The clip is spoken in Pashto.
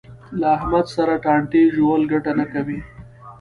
له احمد سره ټانټې ژول ګټه نه کوي.